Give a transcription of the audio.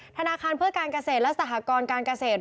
ธนาคารเพื่อการเกษตรและสหกรการเกษตร